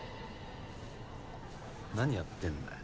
なにやってんだよ。